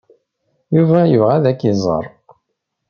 Yuba yebɣa ad k-iẓer.